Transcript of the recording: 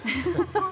そう。